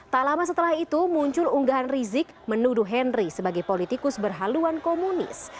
tak lama setelah itu muncul unggahan rizik menuduh henry sebagai politikus berhaluan komunis